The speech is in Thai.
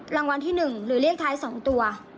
รางวัลที่๑หรือเลขท้าย๒ตัว